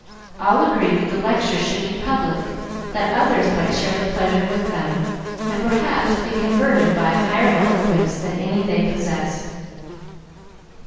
All agreed that the lecture should be public, that others might share the pleasure with them, and perhaps be converted by a higher eloquence than any they possessed.